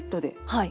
はい。